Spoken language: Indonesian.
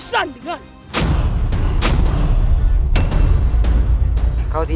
dan menangkap kake guru